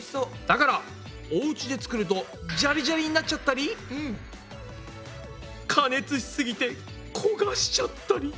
だからおうちで作るとジャリジャリになっちゃったり加熱しすぎて焦がしちゃったり。